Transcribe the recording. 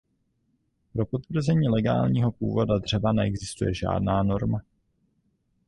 Pro potvrzení legálního původu dřeva neexistuje žádná norma.